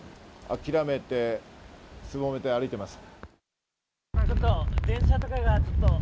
諦めてすぼめて歩いています。